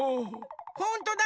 ほんとだ！